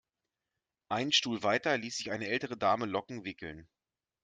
Einen Stuhl weiter ließ sich eine ältere Dame Locken wickeln.